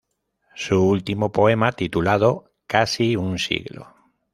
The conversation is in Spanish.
Su último poema titulado ¡Casi un siglo...!